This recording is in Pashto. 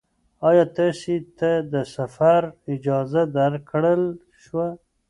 ایا تاسې ته د سفر اجازه درکړل شوه؟